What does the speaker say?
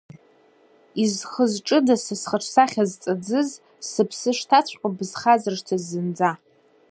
Изхы-зҿыда са схаҿсахьа зҵаӡыз, сыԥсы шҭаҵәҟьоу бхазыршҭыз зынӡа?!